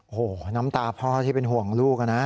โอ้โหน้ำตาพ่อที่เป็นห่วงลูกนะ